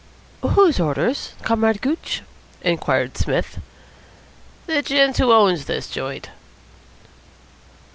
"Whose orders, Comrade Gooch?" inquired Psmith. "The gent who owns this joint."